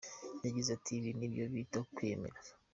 Yagize ati “Ibi nibyo bita kwiyemeza.